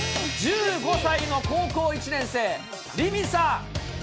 １５歳の高校１年生、凛美さん。